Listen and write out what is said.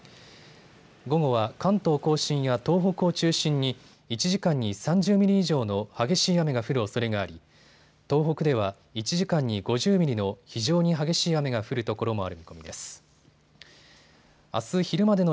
午後は関東甲信や東北を中心に１時間に３０ミリ以上の激しい雨が降るおそれがあり東北では１時間に５０ミリの非常に激しい雨が降るところもある見込みです。